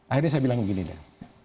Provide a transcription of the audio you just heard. akhirnya saya bilang begini deh